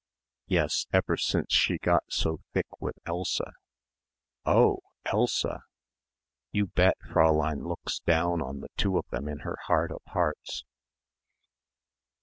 "Yes, ever since she got so thick with Elsa." "Oh! Elsa." "You bet Fräulein looks down on the two of them in her heart of hearts."